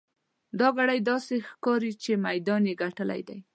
دا ګړی داسې ښکاري چې میدان یې ګټلی دی.